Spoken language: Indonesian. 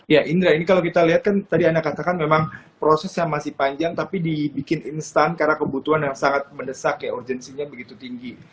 ya indra ini kalau kita lihat kan tadi anda katakan memang prosesnya masih panjang tapi dibikin instan karena kebutuhan yang sangat mendesak ya urgensinya begitu tinggi